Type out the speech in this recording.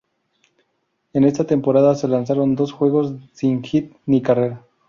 En esta temporada se lanzaron dos juegos sin hit ni carrera.